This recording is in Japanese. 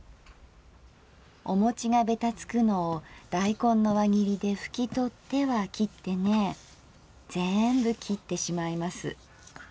お餅がべたつくのを大根の輪切りでふきとっては切ってね全部切ってしまいます。